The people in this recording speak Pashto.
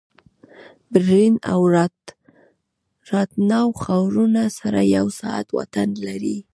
برلین او راتناو ښارونه سره یو ساعت واټن لري